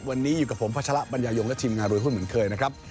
วันนี้อยู่กับผมพัชละบรรยายงและทีมงานรวยหุ้นเหมือนเคยนะครับ